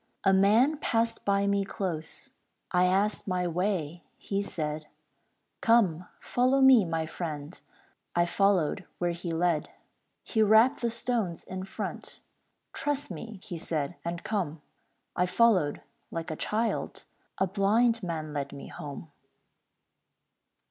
A man passed by me close, I asked my way, he said, "Come, follow me, my friend" I followed where he led. He rapped the stones in front, "Trust me," he said, "and come"; I followed like a child A blind man led me home.